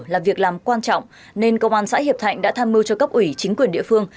là việc làm quan trọng nên công an xã hiệp thạnh đã tham mưu cho cấp ủy chính quyền địa phương